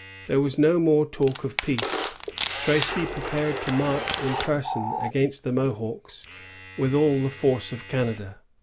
^ There was no more talk of peace. Tracy prepared to march in person against the Mohawks with all the force of Canada.